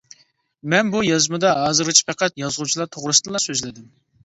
مەن بۇ يازمىدا ھازىرغىچە پەقەت يازغۇچىلار توغرىسىدىلا سۆزلىدىم.